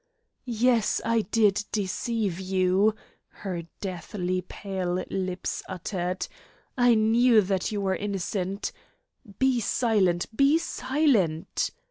"Yes, I did deceive you!" her deathly pale lips uttered. "I knew that you were innocent " "Be silent. Be silent."